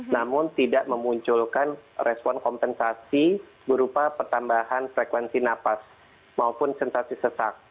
namun tidak memunculkan respon kompensasi berupa pertambahan frekuensi napas maupun sensasi sesak